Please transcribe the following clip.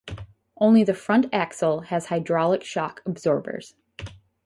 Only the front axle has hydraulic shock absorbers.